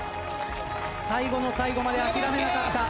最後の最後まで諦めなかった。